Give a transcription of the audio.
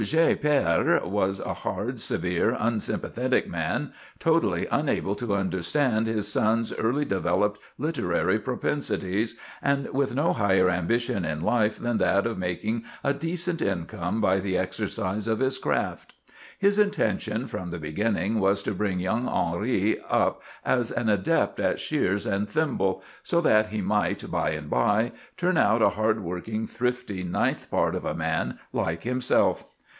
Murger père was a hard, severe, unsympathetic man, totally unable to understand his son's early developed literary propensities, and with no higher ambition in life than that of making a decent income by the exercise of his craft. His intention from the beginning was to bring young Henri up as an adept at shears and thimble, so that he might by and by turn out a hard working, thrifty ninth part of a man, like himself.